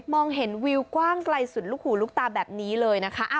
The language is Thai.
มองเห็นวิวกว้างไกลสุดลูกหูลูกตาแบบนี้เลยนะคะ